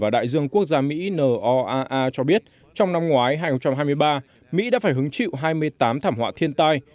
đại dương quốc gia mỹ n o a a cho biết trong năm ngoái hai nghìn hai mươi ba mỹ đã phải hứng chịu hai mươi tám thảm họa thiên tai